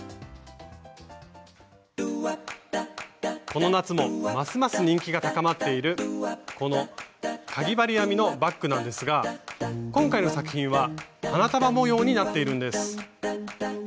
この夏もますます人気が高まっているこのかぎ針編みのバッグなんですが今回の作品は花束模様になっているんです。